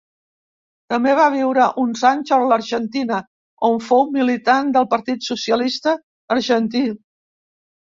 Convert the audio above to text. També va viure uns anys a l'Argentina, on fou militant del Partit Socialista Argentí.